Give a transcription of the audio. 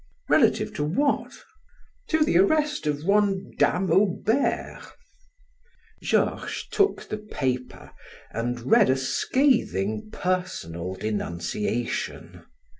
"Relative to what?" "To the arrest of one Dame Aubert." Georges took the paper and read a scathing personal denunciation.